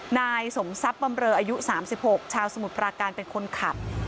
นายสมทรัพย์บำเรออายุ๓๖ชาวสมุทรปราการเป็นคนขับ